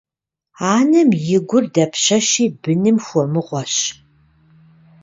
Анэм и гур дапщэщи быным хуэмыгъуэщ.